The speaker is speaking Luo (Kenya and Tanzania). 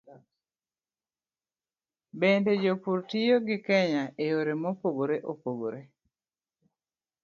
Bende, jopur tiyo gi Kenya e yore mopogore opogore.